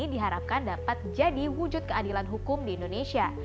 diharapkan dapat jadi wujud keadilan hukum di indonesia